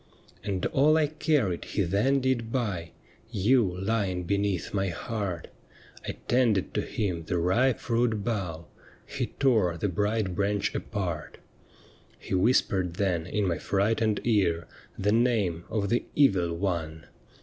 ' And all I carried he then did buy — You lying beneath my heart — I tended to him the ripe fruit bough. He tore the bright branch apart. 'He wiiispered then in my frightened ear The name of the Evil One.